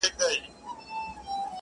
دا د غازیانو شهیدانو وطن،